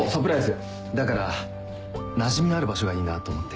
だからなじみのある場所がいいなと思って。